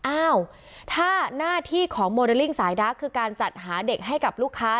อ้าวถ้าหน้าที่ของโมเดลลิ่งสายดาร์กคือการจัดหาเด็กให้กับลูกค้า